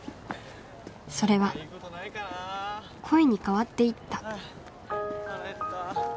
それは恋に変わっていった